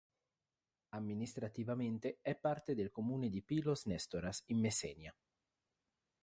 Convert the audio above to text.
Amministrativamente è parte del comune di Pylos-Nestoras, in Messenia.